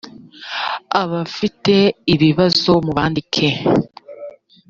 abafite ibibazo mubandike.